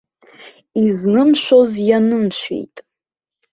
Изнымшәоз ианышәеит.